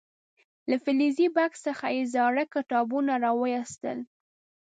له فلزي بکس څخه یې زاړه کتابونه راو ویستل.